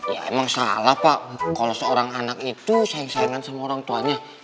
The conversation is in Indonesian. ya emang salah pak kalau seorang anak itu saing saingan sama orang tuanya